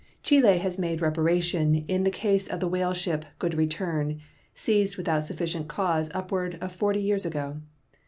Chile has made reparation in the case of the whale ship Good Return, seized without sufficient cause upward of forty years ago.